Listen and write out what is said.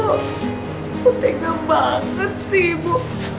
aku tega banget sih ibu